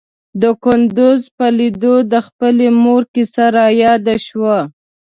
د کندوز په ليدو د خپلې مور کيسه راياده شوه.